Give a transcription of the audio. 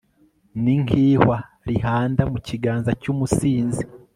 ni nk'ihwa rihanda mu kiganza cy'umusinzi